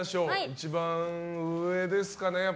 一番上ですかね。